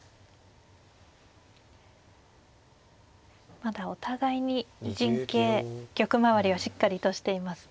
まだお互いに陣形玉まわりはしっかりとしていますね。